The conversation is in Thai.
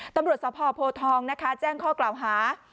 ตำรวจสภโพทองนะคะแจ้งข้อกล่าวหา